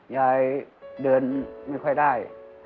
ยายเดินไม่ค่อยได้